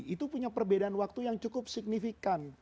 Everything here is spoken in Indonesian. itu punya perbedaan waktu yang cukup signifikan